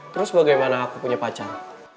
terus bagaimana aku punya pacar